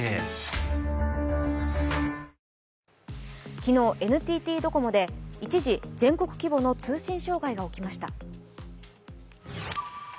昨日、ＮＴＴドコモで一時、全国規模の通信障害が起きました。